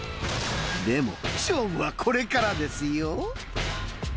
でも勝負はこれからですよ。